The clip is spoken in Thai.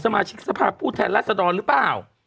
สมาชิกสภาพผู้แทนรัศดรหรือเปล่า